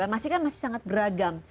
masih kan masih sangat beragam